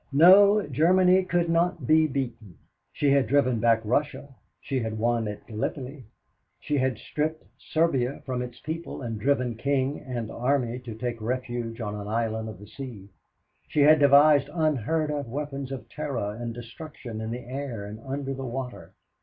No, Germany could not be beaten. She had driven back Russia. She had won at Gallipoli, she had stripped Serbia from its people and driven king and army to take refuge on an island of the sea. She had devised unheard of weapons of terror and destruction in the air and under the water.